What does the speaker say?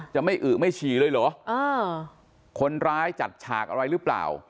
จะไม่อึไม่ฉี่เลยเหรอคนร้ายจัดฉากอะไรหรือเปล่า